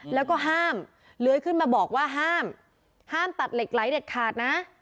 แล้วก็ห้ามเลื้อยขึ้นมาบอกว่าห้ามห้ามตัดเหล็กไหลเด็ดขาดนะ